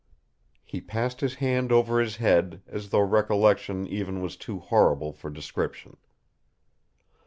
He passed his hand over his head as though recollection even was too horrible for description.